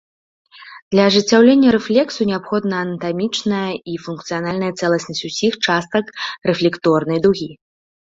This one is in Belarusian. Для ажыццяўлення рэфлексу неабходна анатамічная і функцыянальная цэласнасць усіх частак рэфлекторнай дугі.